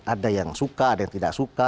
ada yang suka ada yang tidak suka